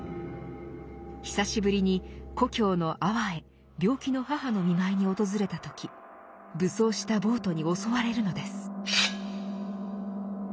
久しぶりに故郷の安房へ病気の母の見舞いに訪れた時武装した暴徒に襲われるのです。